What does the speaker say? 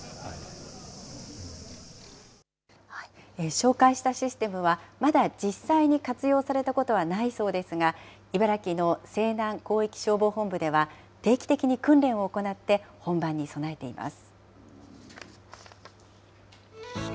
紹介したシステムは、まだ実際に活用されたことはないそうですが、茨城の西南広域消防本部では定期的に訓練を行って本番に備えています。